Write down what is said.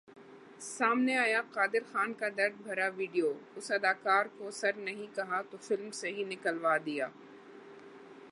سامنے آیا قادر خان کا درد بھرا ویڈیو ، اس اداکار کو سر نہیں کہا تو فلم سے ہی نکلوادیا